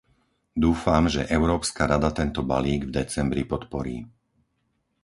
Dúfam, že Európska rada tento balík v decembri podporí.